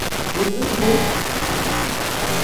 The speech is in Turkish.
Yıldız mı?